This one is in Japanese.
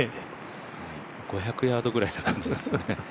５００ヤードぐらいな感じがしますよね。